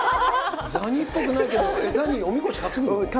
ザニーっぽくないけど、ザニー、おみこし担ぐの？